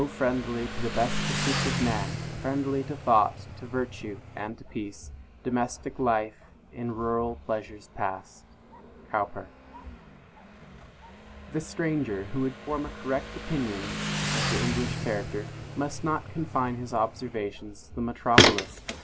friendly to the best pursuits of man, Friendly to thought, to virtue and to peace, Domestic life in rural pleasures past! COWPER. THE stranger who would form a correct opinion of the English character, must not confine his observations to the metropolis.